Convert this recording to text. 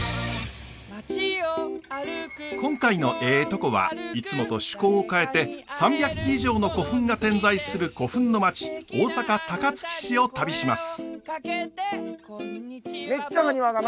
今回の「えぇトコ」はいつもと趣向を変えて３００基以上の古墳が点在する古墳の町大阪・高槻市を旅します。